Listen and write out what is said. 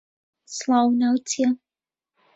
سڵاو، ناوت چییە؟